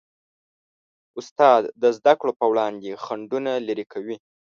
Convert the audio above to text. استاد د زدهکړو په وړاندې خنډونه لیرې کوي.